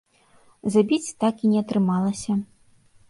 Забіць так і не атрымалася.